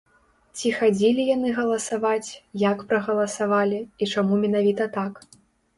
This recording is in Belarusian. Ці хадзілі яны галасаваць, як прагаласавалі і чаму менавіта так.